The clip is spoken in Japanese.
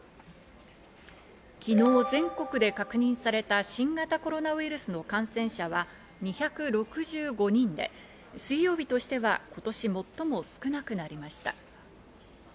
昨日全国で確認された新型コロナウイルスの感染者は２６５人で水曜日としては今年最も少なくなりました。